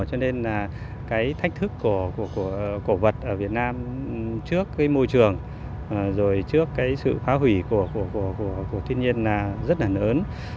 cho nên là cái thách thức của vật ở việt nam trước môi trường rồi trước sự phá hủy của thiên nhiên là rất là lớn